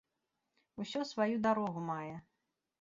Усё сваю дарогу мае